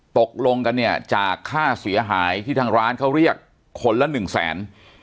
ตกลงกันเนี่ยจากค่าเสียหายที่ทางร้านเขาเรียกคนละหนึ่งแสน